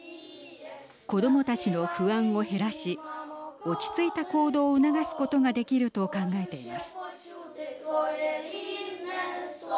子どもたちの不安を減らし落ち着いた行動を促すことができると考えています。